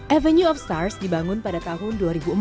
avenue of stars dibangun pada tahun dua ribu empat